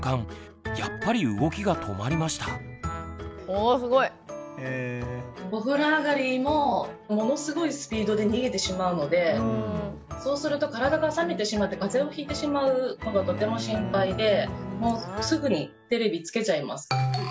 おすごい。お風呂上がりもものすごいスピードで逃げてしまうのでそうすると体が冷めてしまって風邪をひいてしまうのがとても心配でもうすぐにテレビつけちゃいます。